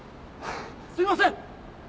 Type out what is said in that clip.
すいません！